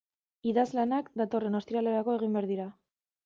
Idazlanak datorren ostiralerako egin behar dira.